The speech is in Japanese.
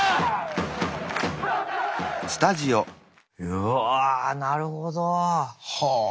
うわあなるほど。はあ。